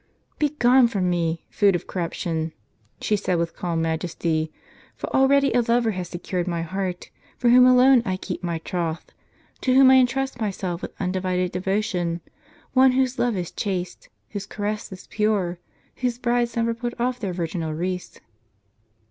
" Begone from me, food of corruption !" she said with calm majesty; "for already a lover has secured my heart, for whom alone I keep my troth, to whom I intrust myself with undivided devotion ; one whose love is chaste, whose caress is pure, whose brides never put off their virginal wreaths."